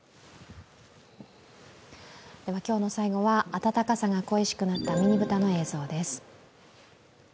今日の最後は暖かさが恋しくなったミニブタの映像です。